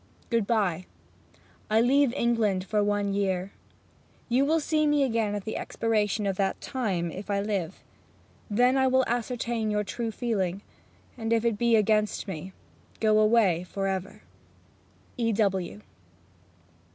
Good bye. I leave England for one year. You will see me again at the expiration of that time, if I live. Then I will ascertain your true feeling; and, if it be against me, go away for ever. E. W.'